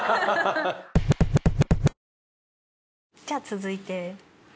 じゃあ続いて。